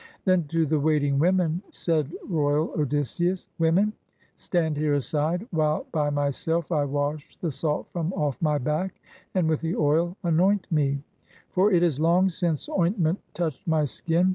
Then to the waiting women said royal Odysseus: — "Women, stand here aside, while by myself I wash the salt from off my back and with the oil anoint me; for it is long since ointment touched my skin.